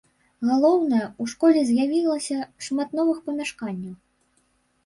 Галоўнае, у школе з'явілася шмат новых памяшканняў.